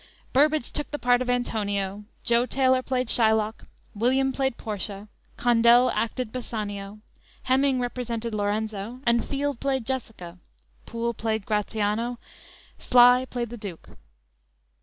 Burbage took the part of Antonio, Jo Taylor played Shylock, William played Portia, Condell acted Bassanio, Heming represented Lorenzo and Field played Jessica, Poole played Gratiano, Slye played the Duke.